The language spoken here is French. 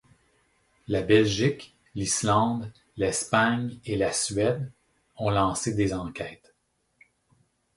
La Belgique, l'Islande, l'Espagne et la Suède ont lancé des enquêtes.